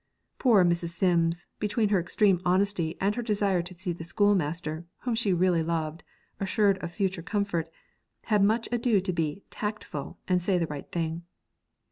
Poor Mrs. Sims, between her extreme honesty and her desire to see the schoolmaster, whom she really loved, assured of future comfort, had much ado to be 'tactful' and say the right thing.